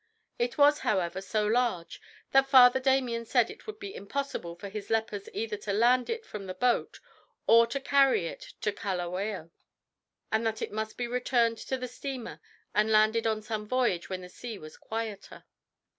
It was, however, so large that Father Damien said it would be impossible for his lepers either to land it from the boat or to carry it to Kalawao, and that it must be returned to the steamer and landed on some voyage when the sea was quieter.